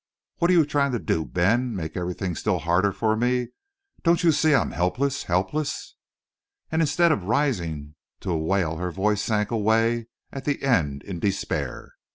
"What are you trying to do, Ben? Make everything still harder for me? Don't you see I'm helpless helpless?" And instead of rising to a wail her voice sank away at the end in despair.